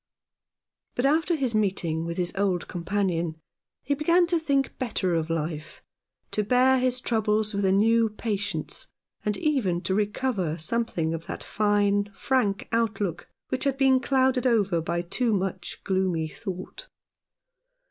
But after his meeting with his old com panion he began to think better of life, to bear his troubles with a new patience, and even to recover something of that fine, frank outlook which had been clouded over by too much gloomy thought.